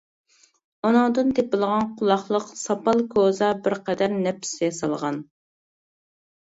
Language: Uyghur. ئۇنىڭدىن تېپىلغان قۇلاقلىق ساپال كوزا بىر قەدەر نەپس ياسالغان.